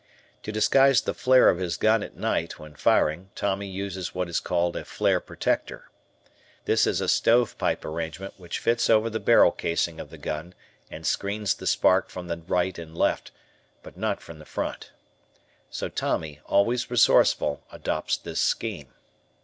To disguise the flare of his gun at night when firing. Tommy uses what is called a flare protector. This is a stove pipe arrangement which fits over the barrel casing of the gun and screens the sparks from the right and left, but not from the front. So Tommy, always resourceful, adopts this scheme.